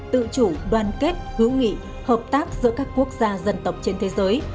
tự chủ đoàn kết hữu nghị hợp tác giữa các quốc gia dân tộc trên thế giới